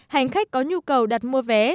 hành khách có nhu cầu đặt mua vé